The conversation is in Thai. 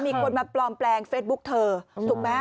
มีคนมาปลอมแปลงเฟซบุ๊กเธอถูกไหม